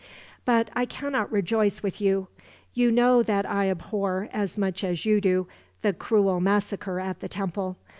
"But I cannot rejoice with you. You know that I abhor, as much as you do, the cruel massacre at the temple.